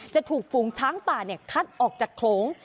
จะถูกฝูงช้างป่าคัดออกจากโขลง